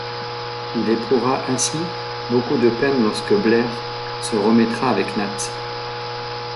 Il éprouvera ainsi beaucoup de peine lorsque Blair se remettra avec Nate.